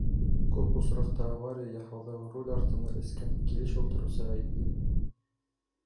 Күп осраҡта авария яһауҙа руль артына эскән килеш ултырыусы ғәйепле.